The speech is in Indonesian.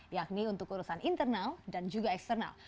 yakni untuk urusan internal dan juga eksternal